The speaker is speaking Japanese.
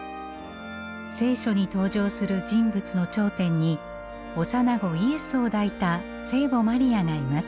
「聖書」に登場する人物の頂点に幼子イエスを抱いた聖母マリアがいます。